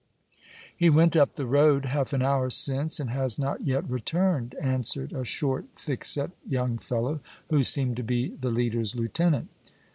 "He went up the road half an hour since, and has not yet returned," answered a short, thick set young fellow, who seemed to be the leader's lieutenant.